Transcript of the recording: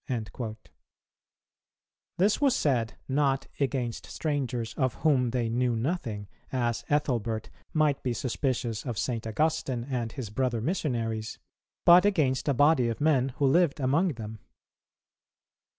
"[245:1] This was said, not against strangers of whom they knew nothing, as Ethelbert might be suspicious of St. Augustine and his brother missionaries, but against a body of men who lived among them.